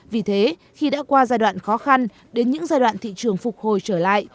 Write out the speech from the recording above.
vì thế khi đã qua giai đoạn khó khăn đến những giai đoạn thị trường phục hồi trở lại